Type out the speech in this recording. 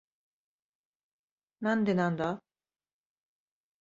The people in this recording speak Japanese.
なんでなんだ？